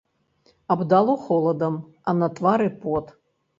Абдало холадам, а на твары пот.